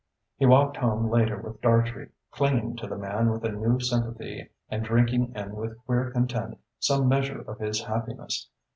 He walked home later with Dartrey, clinging to the man with a new sympathy and drinking in with queer content some measure of his happiness.